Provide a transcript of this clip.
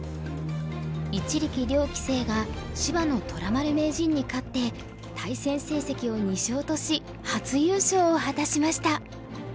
一力遼棋聖が芝野虎丸名人に勝って対戦成績を２勝とし初優勝を果たしました。